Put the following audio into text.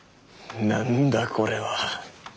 何だこれは。